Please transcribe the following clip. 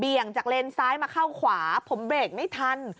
จากเลนซ้ายมาเข้าขวาผมเบรกไม่ทัน